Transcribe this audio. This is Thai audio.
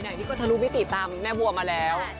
ไหนที่ก็ทะลุวิติตามแม่บัวมาแล้ว